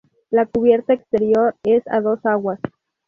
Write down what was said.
La cubierta exterior es a dos aguas.